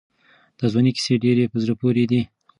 د ځوانۍ کیسې ډېرې په زړه پورې دي.